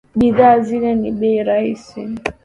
Bidhaa zile ni bei rahisi.